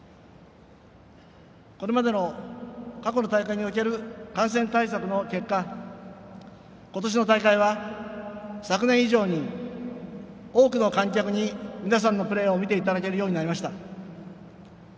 これまでの過去の大会における感染対策の結果今年の大会は、昨年以上に多くの観客に皆さんのプレーを見ていただけるようになりました。